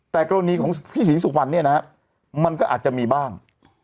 แต่กรณีของพี่ศรีสุวรรณเนี่ยนะฮะมันก็อาจจะมีบ้าง